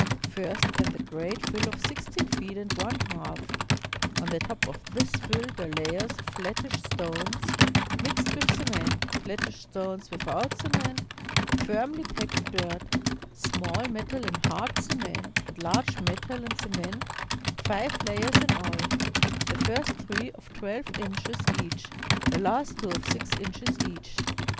First came the great fill of sixteen feet and one half ; on the top 524 m THE ROMAN ROADS of this fill were layers of flattish stones mixed with cement, flattish stones without cement, firmly packed dirt, small metal in hard cement, and large metal and cement, five layers in all, the first three of twelve inches each, the last two of six inches each.